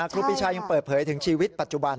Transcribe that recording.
ครูปีชายังเปิดเผยถึงชีวิตปัจจุบัน